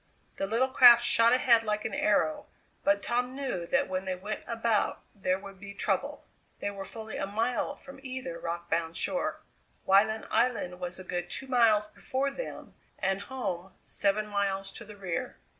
The little craft shot ahead like an arrow, but Tom knew that when they went about there would be trouble. They were fully a mile from either rock bound shore. Wyland Island was a good two miles before them, and home seven miles to the rear.